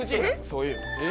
そういう。